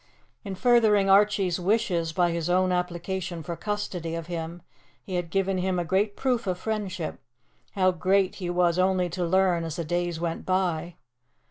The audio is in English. In furthering Archie's wishes by his own application for custody of him he had given him a great proof of friendship how great he was only to learn as the days went by.